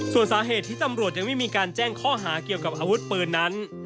ส่วนสาเหตุที่ตำรวจยังไม่มีการแจ้งข้อหาเกี่ยวกับอาวุธปืนนั้น